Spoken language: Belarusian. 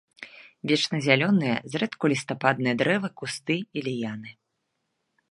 Вечназялёныя, зрэдку лістападныя дрэвы, кусты і ліяны.